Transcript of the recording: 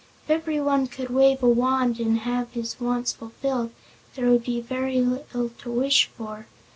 If every one could wave a wand and have his wants fulfilled there would be little to wish for.